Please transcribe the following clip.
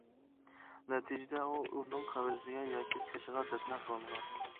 نەتىجىدە ئۇ ئۇنىڭ قەبرىسىگە ياكى قېشىغا دەپنە قىلىنغان.